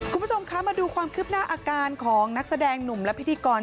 คุณผู้ชมคะมาดูความคืบหน้าอาการของนักแสดงหนุ่มและพิธีกร